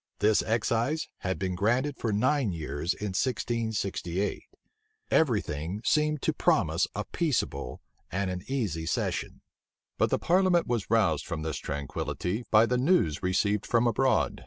This excise had been granted for nine years in 1668. Every thing seemed to promise a peaceable and an easy session. But the parliament was roused from this tranquillity by the news received from abroad.